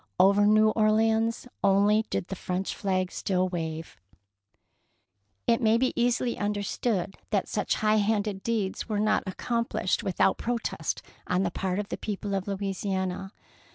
Over New Orleans alone did the French flag still wave. 198 THE PEARL NECKLACE It may be easily understood that such high handed deeds were not accom plished without protest on the part of the people of Louisiana.